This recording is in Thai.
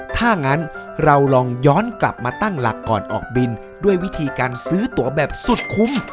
ถ้างั้นเราลองย้อนกลับมาตั้งหลักก่อนออกบินด้วยวิธีการซื้อตัวแบบสุดคุ้ม